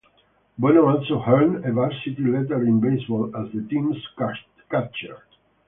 Bono also earned a varsity letter in baseball as the team's catcher.